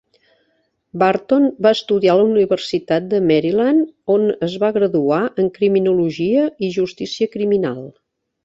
Barton va estudiar a la Universitat de Maryland, on es va graduar en Criminologia i justícia criminal.